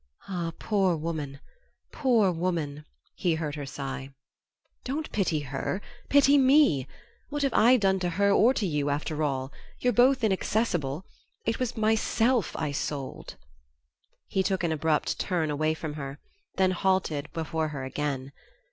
"Ah, poor woman, poor woman," he heard her sigh. "Don't pity her, pity me! What have I done to her or to you, after all? You're both inaccessible! It was myself I sold." He took an abrupt turn away from her; then halted before her again.